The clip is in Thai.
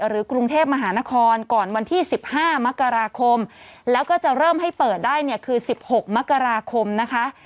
หรือกรุงเทพมหานครก่อนวันที่๑๕มกราคมแล้วก็จะเริ่มให้เปิดได้เนี่ยคือ๑๖มกราคมนะคะ